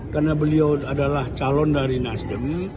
karena beliau adalah calon dari nasdem